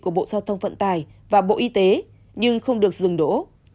của bộ giao thông phận tài và bộ y tế nhưng không được dừng đổ